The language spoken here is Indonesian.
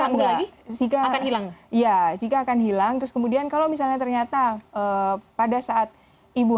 tangguh lagi zika akan hilang ya jika akan hilang terus kemudian kalau misalnya ternyata pada saat ibu